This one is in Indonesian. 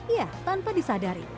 iya tanpa disadari